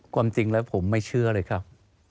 ความจริงแล้วผมไม่เชื่อเลยครับ